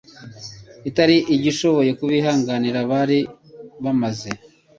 itari igishoboye kubihanganira. Bari bamaze